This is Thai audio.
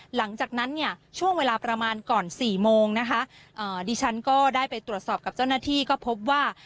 หลังจากนั้นเนี่ยช่วงเวลาประมาณก่อนสี่โมงนะคะดิฉันก็ได้ไปตรวจสอบกับเจ้าหน้าที่ก็พบว่า